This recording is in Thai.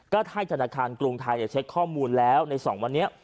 ก็ให้ธนาคารกรุงไทยเช็คข้อมูลแล้วใน๒วันนี้